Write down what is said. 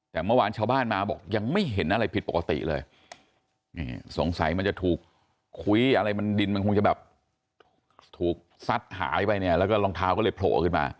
แต่เมื่อวานชาวบ้านมาบอกยังไม่เห็นอะไรผิดปกติเลยนี่สงสัยมันจะถูกคุ้ยอะไรมันดินมันคงจะแบบถูกซัดหายไปเนี่ยแล้วก็รองเท้าก็เลยโผล่ขึ้นมา